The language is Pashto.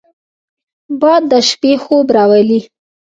باد د شپې خوب راولي